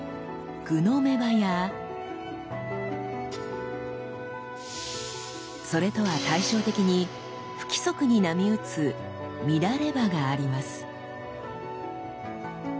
「互の目刃」やそれとは対照的に不規則に波打つ「乱刃」があります。